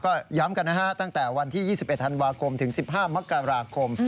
ก็ย้ำกันนะฮะตั้งแต่วันที่๒๑ธันวาคมถึง๑๕มกราคม